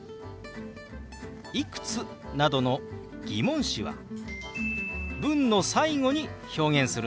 「いくつ？」などの疑問詞は文の最後に表現するんでしたね。